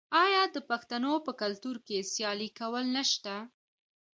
آیا د پښتنو په کلتور کې سیالي کول نشته؟